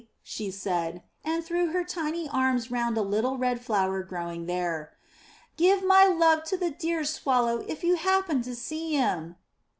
she said, and threw her tiny arms round a little red flower growing there. ^'Give my love to the dear Swallow if you happen to see him.'